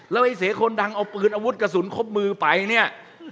แล้วไอ้เสคนดังเอาปืนอาวุธกระสุนครบมือไปเนี่ย